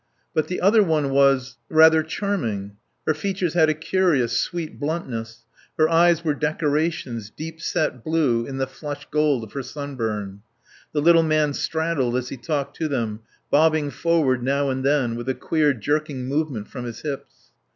But the other one was rather charming. Her features had a curious, sweet bluntness; her eyes were decorations, deep set blue in the flushed gold of her sunburn. The little man straddled as he talked to them, bobbing forward now and then, with a queer jerking movement from his hips.